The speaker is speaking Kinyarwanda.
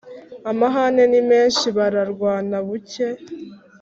Amahane ni menshi bararwana bucye